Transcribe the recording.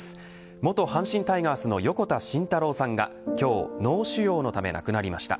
元阪神タイガースの横田慎太郎さんが今日、脳腫瘍のため亡くなりました。